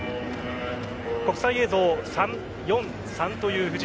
国際映像３−４−３という布陣。